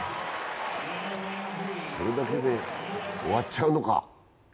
それだけで終わっちゃうのか？